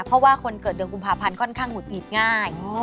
เพราะว่าคนเกิดเดือนกุมภาพันธ์ค่อนข้างหงุดหงิดง่าย